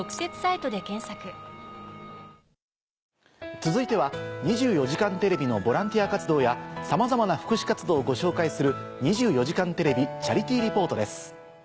続いては『２４時間テレビ』のボランティア活動やさまざまな福祉活動をご紹介する。